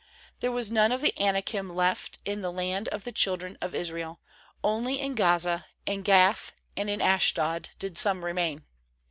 ^There was none of the Anakim left in the land of the children of Israel; only in Gaza, in Gath, and in Ashdod, did some remain.